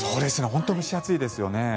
本当に蒸し暑いですよね。